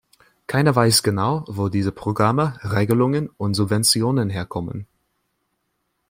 Keiner weiß genau, wo diese Programme, Regelungen und Subventionen herkommen.